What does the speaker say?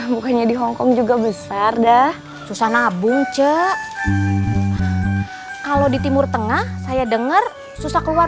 bukannya di hongkong juga besar dah susah nabung cek kalau di timur tengah saya dengar susah keluar